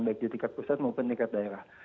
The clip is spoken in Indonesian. baik di tingkat pusat maupun di tingkat daerah